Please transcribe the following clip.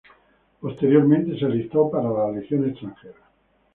Posteriormente se alistó para la Legión Extranjera.